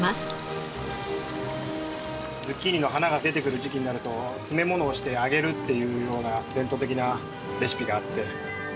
ズッキーニの花が出てくる時期になると詰め物をして揚げるっていうような伝統的なレシピがあって。